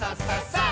さあ！